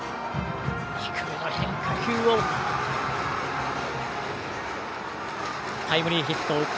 低めの変化球をタイムリーヒット。